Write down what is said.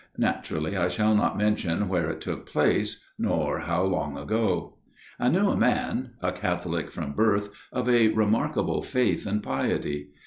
Naturally I shall not mention where it took place, nor how long ago. " I knew a man, a Catholic from birth, of a remarkable faith and piety.